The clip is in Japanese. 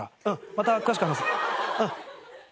また詳しく話すうん。